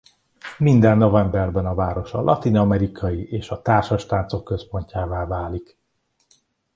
Minden novemberben a város a latin-amerikai és a társas táncosok központjává válik.